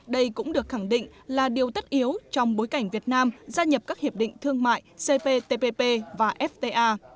đây cũng được khẳng định là điều tất yếu trong bối cảnh việt nam gia nhập các hiệp định thương mại cptpp và fta